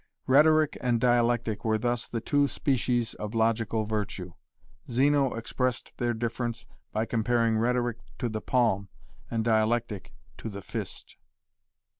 Rhetoric and dialectic were thus the two species of logical virtue. Zeno expressed their difference by comparing rhetoric to the palm and dialectic to the fist.